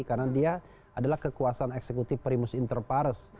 karena dia adalah kekuasaan eksekutif primus inter pares